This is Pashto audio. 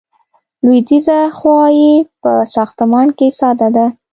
لویدیځه خوا یې په ساختمان کې ساده ده.